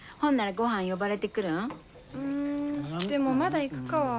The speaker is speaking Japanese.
うんでもまだ行くかは。